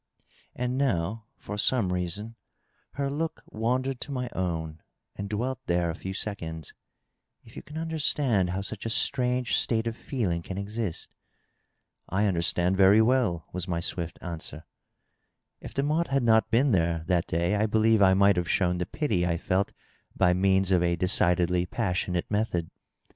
." (and 568 DOUGLAS DUANE, now, for some reason^ her look wandered to my own and dwelt there a few seoonds) ^^ if you can understand how such a strange state of feeling can exist.'' '^I understand very well/' was my swift answer. If Demotte had not been there^ that day^ I believe I mi^ht have shown the pity I felt by means of a decidedly passionate meuiod.